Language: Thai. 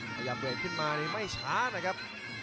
หยาย่ำเตรียมขึ้นมานี่ไม่ช้านะครับ